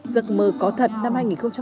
giấc mơ có thật năm hai nghìn hai mươi